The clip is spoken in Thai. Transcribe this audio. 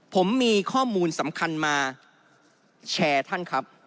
ผมมีข้อมูลสำคัญมาแชร์ท่านครับ